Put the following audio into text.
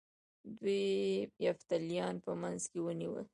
دوی یفتلیان په منځ کې ونیول